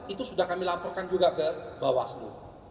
itu sudah kami laporkan juga ke bawaslu